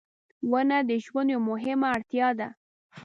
• ونه د ژوند یوه مهمه اړتیا ده.